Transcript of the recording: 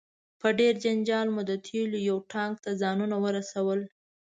په ډیر جنجال مو د تیلو یو ټانک ته ځانونه ورسول.